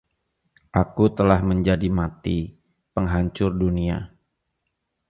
Aku telah menjadi mati, penghancur dunia.